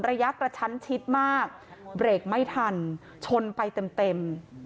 ระยะกระชั้นชิดมากเบรกไม่ทันชนไปเต็มเต็ม